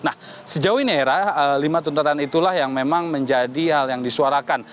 nah sejauh ini hera lima tuntutan itulah yang memang menjadi hal yang disuarakan